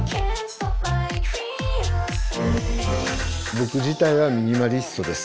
僕自体はミニマリストです。